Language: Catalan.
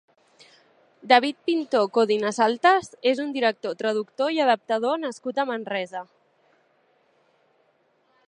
David Pintó Codinasaltas és un director, traductor i adaptador nascut a Manresa.